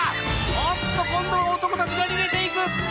おっと、今度は男たちが逃げていく。